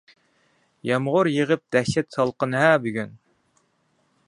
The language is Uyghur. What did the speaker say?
يامغۇر يېغىپ دەھشەت سالقىن-ھە بۈگۈن.